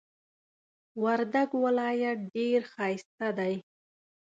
وردک ولایت ډیر ښایسته دی.